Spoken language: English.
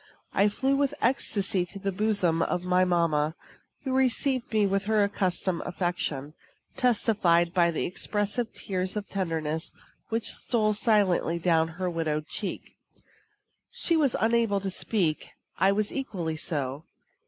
I flew with ecstasy to the bosom of my mamma, who received me with her accustomed affection, testified by the expressive tears of tenderness which stole silently down her widowed cheek. She was unable to speak. I was equally so.